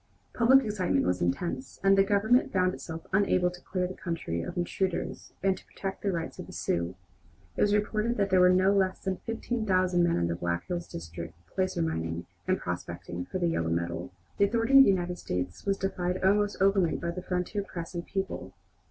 Public excitement was intense, and the Government found itself unable to clear the country of intruders and to protect the rights of the Sioux. It was reported that there were no less than fifteen thousand men in the Black Hills district placer mining and prospecting for the yellow metal. The authority of the United States was defied almost openly by the frontier press and people.